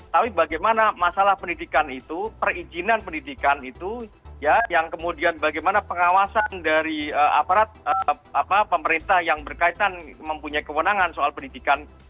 tapi bagaimana masalah pendidikan itu perizinan pendidikan itu ya yang kemudian bagaimana pengawasan dari aparat pemerintah yang berkaitan mempunyai kewenangan soal pendidikan